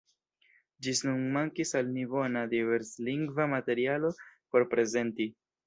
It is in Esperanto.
Ĝis nun mankis al ni bona diverslingva materialo por prezenti.